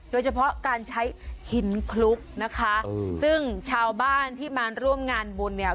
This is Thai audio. โดยเฉพาะการใช้หินคลุกนะคะซึ่งชาวบ้านที่มาร่วมงานบุญเนี่ย